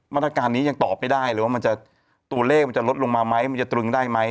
มาตรการนี้ยังตอบไม่ได้เลยว่ามันจะตัวเลขมันจะลดลงมาไหมมันจะตรึงได้ไหม